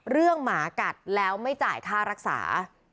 หมากัดแล้วไม่จ่ายค่ารักษา